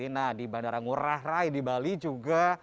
nah di bandara ngurah rai di bali juga